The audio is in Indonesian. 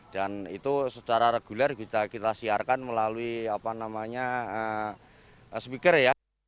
dan itu secara reguler kita siarkan melalui speaker ya